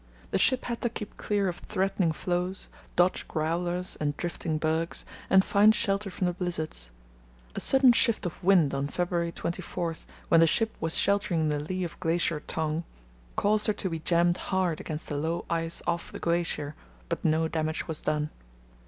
The ship had to keep clear of threatening floes, dodge "growlers" and drifting bergs, and find shelter from the blizzards. A sudden shift of wind on February 24, when the ship was sheltering in the lee of Glacier Tongue, caused her to be jammed hard against the low ice off the glacier, but no damage was done.